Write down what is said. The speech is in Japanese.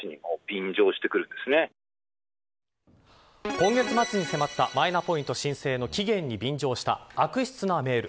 今月末に迫ったマイナポイント申請の期限に便乗した悪質なメール。